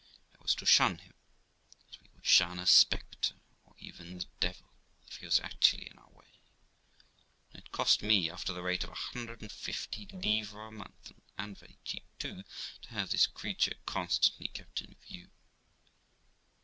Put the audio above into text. I was to shun him as we would shun a spectre, or even the devil, if he was actually in our way; and it cost me after the rate of a hundred and fifty livres a month, and very cheap too, to have this creature constantly kept in view.